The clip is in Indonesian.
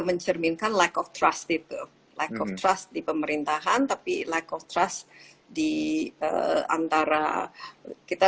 mencerminkan like of trust tipe like of trust di pemerintahan tapi like of trust di antara kita